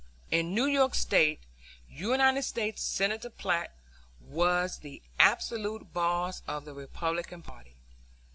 In New York State, United States Senator Platt was the absolute boss of the Republican party.